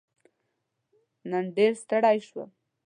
نن ډېر ستړی شوم.